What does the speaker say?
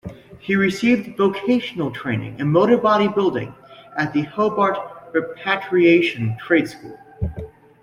He received vocational training in motor-body building at the Hobart Repatriation Trade School.